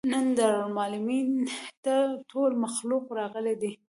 نن دارالمعلمین ته ټول مخلوق راغلى دی.